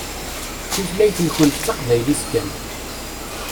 Tutlayt-nkent d taqbaylit kan.